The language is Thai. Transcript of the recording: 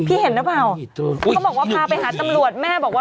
เห็นหรือเปล่าเขาบอกว่าพาไปหาตำรวจแม่บอกว่า